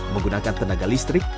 menggunakan tenaga listrik